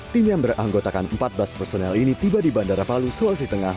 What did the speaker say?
tim yang beranggotakan empat belas personel ini tiba di bandara palu sulawesi tengah